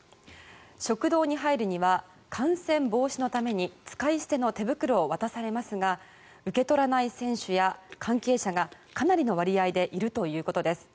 食堂に入るには感染防止のために使い捨ての手袋を渡されますが受け取らない選手や関係者がかなりの割合でいるということです。